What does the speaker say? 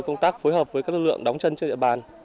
công tác phối hợp với các lực lượng đóng chân trên địa bàn